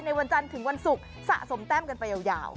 วันจันทร์ถึงวันศุกร์สะสมแต้มกันไปยาว